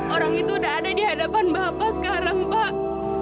orang itu udah ada di hadapan bapak sekarang pak